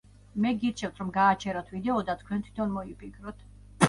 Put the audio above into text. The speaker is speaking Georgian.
მე გირჩევთ, რომ გააჩეროთ ვიდეო და თქვენ თვითონ მოიფიქროთ.